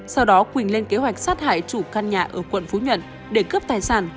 sau đó quỳnh lên kế hoạch sát hại chủ căn nhà ở quận phú nhuận để cướp tài sản